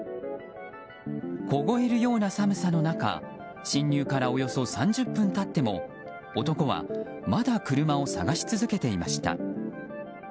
凍えるような寒さの中侵入からおよそ３０分経っても男は、まだ車を探し続けていました。